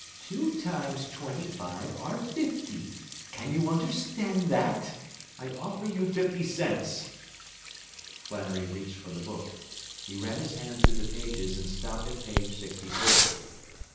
Two times twenty five are fifty! Can you understand that? I offer you fifty cents.” Flannery reached for the book. He ran his hand through the pages and stopped at page sixty four.